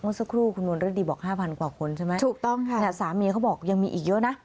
ว่าสักครู่คุณนวลฤทธิบอก๕๐๐๐กว่าคนใช่ไหมสามีเขาบอกยังมีอีกเยอะนะ